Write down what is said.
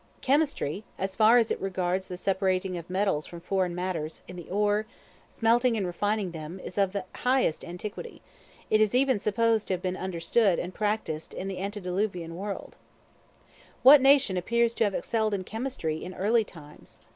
Chemistry, as far as it regards the separating of metals from foreign matters in the ore, smelting and refining them, is of the highest antiquity; it is even supposed to have been understood and practised in the antediluvian world. Antediluvian, before the flood. What nation appears to have excelled in Chemistry in early times?